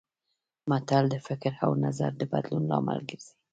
متل د فکر او نظر د بدلون لامل ګرځي